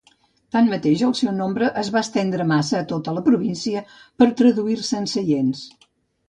Tanmateix, el seu nombre es va estendre massa a tota la província per traduir-se en seients.